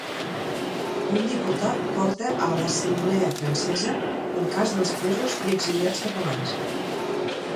Un diputat porta a l'Assemblea Francesa el cas dels presos i exiliats catalans